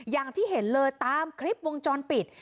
อย่างที่เห็นเลยตามคลิปวงจรปิด